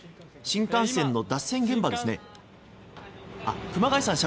新幹線の脱線現場です。